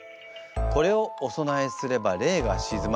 これをお供えすれば霊が鎮まる。